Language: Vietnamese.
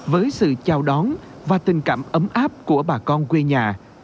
với sự chào đón và tình cảm ấm áp của bà con quê nhà